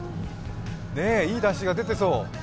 いいだしが出てそう。